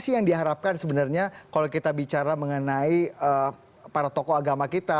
apa sih yang diharapkan sebenarnya kalau kita bicara mengenai para tokoh agama kita